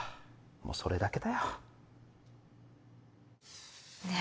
もうそれだけだよねえ